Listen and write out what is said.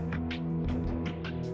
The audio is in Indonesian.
terima kasih mas